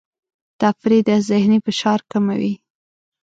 تفریح د ذهني فشار کموي.